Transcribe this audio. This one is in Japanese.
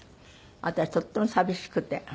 私とっても寂しくて。